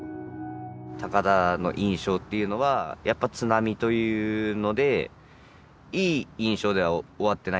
高田の印象というのはやっぱ津波というのでいい印象では終わってないんですよ。